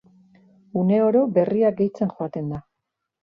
Une oro berriak gehitzen joaten da.